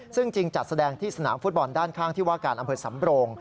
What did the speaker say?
ซึ่งจริงจัดแสดงที่สนามฟุตบอลด้านข้างที่ว่าการอำเภอสำโรง